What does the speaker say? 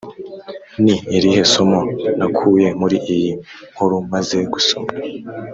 Ni irihe somo nakuye muri iyi nkuru maze gusoma